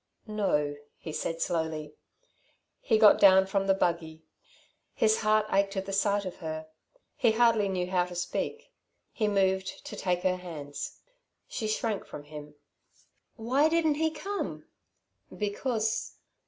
"No," he said slowly. He got down from the buggy. His heart ached at the sight of her. He hardly knew how to speak. He moved to take her hands. She shrank from him. "Why didn't he come?" "Because